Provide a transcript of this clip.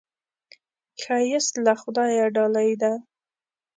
ښایست له خدایه ډالۍ ده